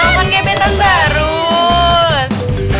tidak apa apa kayak beton barus